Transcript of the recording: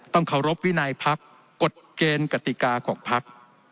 เคารพวินัยพักกฎเกณฑ์กติกาของพัก